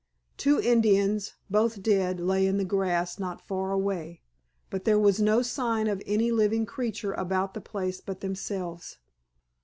Two Indians, both dead, lay in the grass not far away, but there was no sign of any living creature about the place but themselves.